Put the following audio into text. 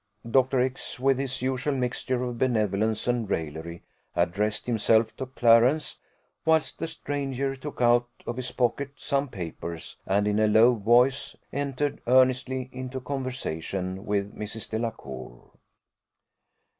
Dr. X , with his usual mixture of benevolence and raillery, addressed himself to Clarence, whilst the stranger took out of his pocket some papers, and in a low voice entered earnestly into conversation with Mrs. Delacour.